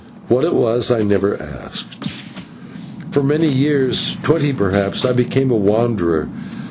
What it was I never asked. For many years twenty perhaps I became a wanderer.